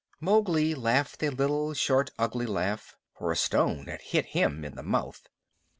Mowgli laughed a little short ugly laugh, for a stone had hit him in the mouth.